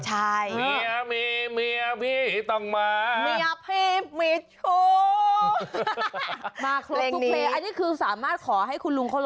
ใช่